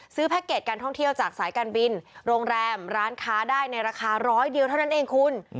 แพ็กเกจการท่องเที่ยวจากสายการบินโรงแรมร้านค้าได้ในราคาร้อยเดียวเท่านั้นเองคุณ